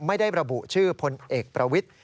ไม่ได้ระบุชื่อพลเอกประวิทธิ